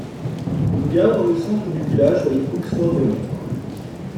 Une gare dans le centre du village relie Oxford et Londres.